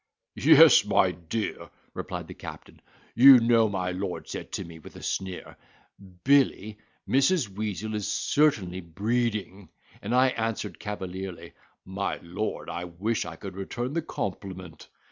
"Yes, my dear," replied the captain, "you know my lord said to me, with a sneer, 'Billy, Mrs. Weazel is certainly breeding.' And I answered cavalierly, 'My lord, I wish I could return the compliment.